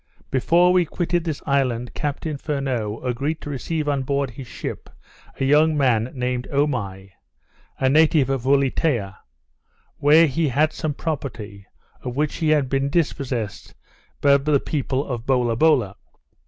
Before we quitted this island, Captain Furneaux agreed to receive on board his ship a young man named Omai, a native of Ulietea; where he had had some property, of which he had been dispossessed by the people of Bolabola.